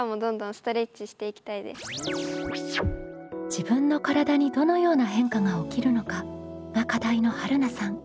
「自分の体にどのような変化が起きるのか」が課題のはるなさん。